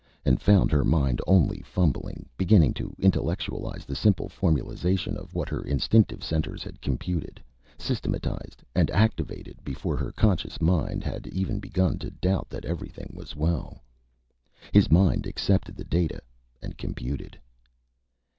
And found her mind only fumblingly beginning to intellectualize the simple formulization of what her instinctive centers had computed, systematized, and activated before her conscious mind had even begun to doubt that everything was well. His mind accepted the data, and computed.